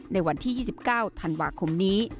ในวันที่๒๙ธันวาคมนี้